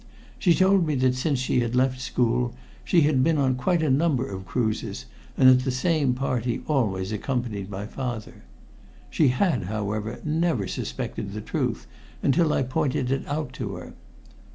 She told me that since she had left school she had been on quite a number of cruises, and that the same party always accompanied her father. She had, however, never suspected the truth until I pointed it out to her.